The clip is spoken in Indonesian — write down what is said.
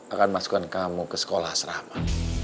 akan masukkan kamu ke sekolah serapa